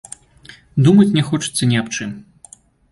Думаць не хочацца ні аб чым.